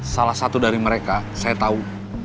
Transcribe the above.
salah satu dari mereka saya tahu